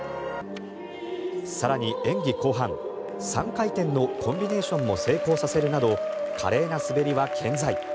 更に演技後半３回転のコンビネーションも成功させるなど華麗な滑りは健在。